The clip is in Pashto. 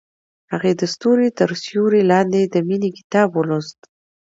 هغې د ستوري تر سیوري لاندې د مینې کتاب ولوست.